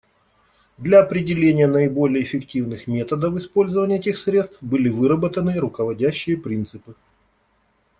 Для определения наиболее эффективных методов использования этих средств были выработаны руководящие принципы.